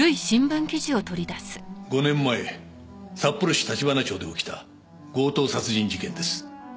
５年前札幌市橘町で起きた強盗殺人事件です。